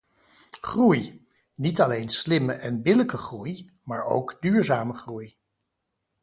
Groei, niet alleen slimme en billijke groei, maar ook duurzame groei.